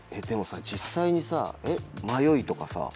でもさ実際にさ迷いとかさ